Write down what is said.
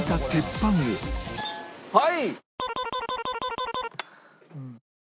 はい！